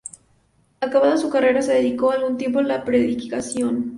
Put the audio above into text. Acabada su carrera, se dedicó algún tiempo a la predicación.